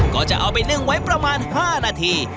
ก็จะเอาไปนึ่งไว้ประมาณ๕นาที